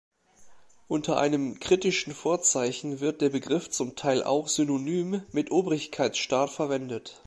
Unter einem kritischen Vorzeichen wird der Begriff zum Teil auch synonym mit Obrigkeitsstaat verwendet.